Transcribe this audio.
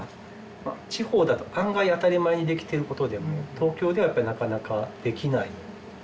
まあ地方だと案外当たり前にできてることでも東京ではやっぱりなかなかできない。